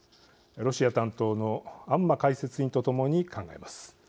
ロシア担当の安間解説委員と共に考えます。